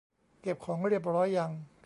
เก็บของเรียบร้อยยัง